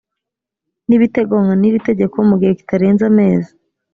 n ibiteganywa n iri tegeko mu gihe kitarenze amezi